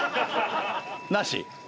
なし？